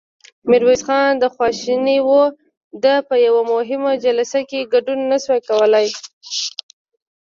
ميرويس خان خواشينی و، ده په يوه مهمه جلسه کې ګډون نه شوای کولای.